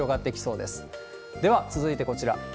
では続いてこちら。